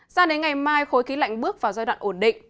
sao đến ngày mai khối khí lạnh bước vào giai đoạn ổn định